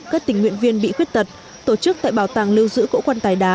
các tình nguyện viên bị khuyết tật tổ chức tại bảo tàng lưu giữ cỗ quan tài đá